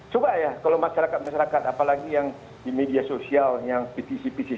coba ya kalau masyarakat masyarakat apalagi yang di media sosial yang pcc pcc